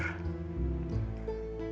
gimana menurut a kang